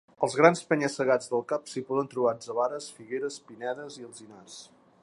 Als grans penya-segats del cap s'hi poden trobar atzavares, figueres, pinedes i alzinars.